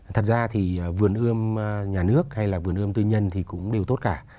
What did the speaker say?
thật ra thì vườn ươm nhà nước hay là vườn ươm tư nhân thì cũng đều tốt cả